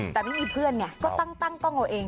แต่ไม่มีเพื่อนไงก็ตั้งกล้องเอาเอง